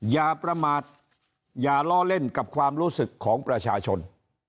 อย่าประมาทอย่าล้อเล่นกับความรู้สึกของประชาชน